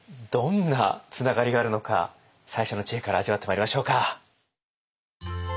どんなつながりがあるのか最初の知恵から味わってまいりましょうか。